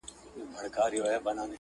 څه ور پنا، څه غر پنا.